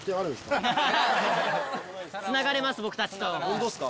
ホントっすか？